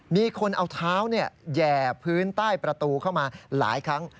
มีคนเอาเท้าแห่พื้นใต้ประตูเข้ามาหลายครั้ง